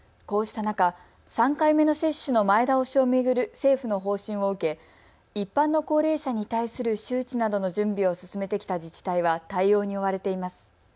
こうした中、３回目の接種の前倒しを巡る政府の方針を受け、一般の高齢者に対する周知などの準備を進めてきた自治体は対応に追われています。